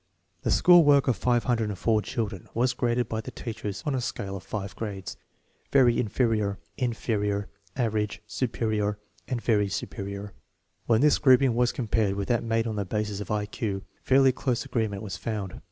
The school work of 504 children was graded by the teachers on a scale of five grades: very inferior, inferior, average, superior, and very superior. When this grouping was compared with that made on the basis of I Q, fairly close agreement was found.